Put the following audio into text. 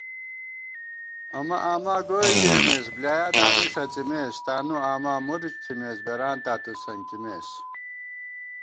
آمہ آما گوئی گِرَمېس بۡلیایا دامی ݭڅِمېس * تانُوآما مُرُچ تھِمېس بېرانتاں تُوسنکِمېس